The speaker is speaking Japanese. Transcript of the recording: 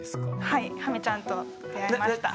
はいハミちゃんと出会いました。